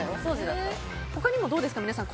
他にもどうですか、皆さん。